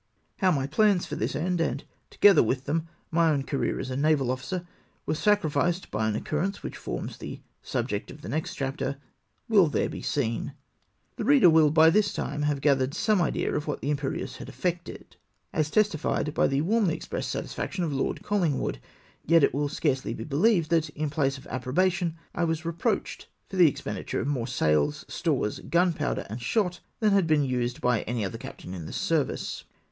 How my plans for this end, and together with them, my own career as a naval officer, were sacrificed by an occurrence which forms the subject of the next chap ters, will there be seen. The reader vdll by this time have gathered some idea of what the Impcrieuse had effected, as testified by the warmly expressed satisfaction of Lord CoEing wood ; yet it will scarcely be beheved that, in place of approbation, I was reproached for the expenditure of more sails, stores, gunpowder, and shot than had been used by any other captain in the service